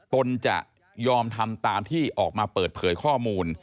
ตนจะยอมทำตามที่ออกมาเปิดเผยข้อมูล